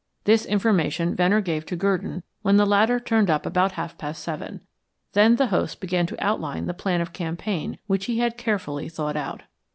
This information Venner gave to Gurdon when the latter turned up about half past seven. Then the host began to outline the plan of campaign which he had carefully thought out.